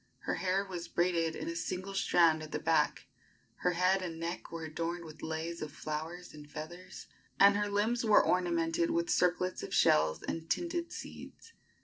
Her hair was braided in a single strand at the back; her head and neck were adorned with leis of flowers and feathers, and her limbs were ornamented with circlets of shells and tinted seeds.